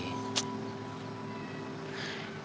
sampai jumpa lagi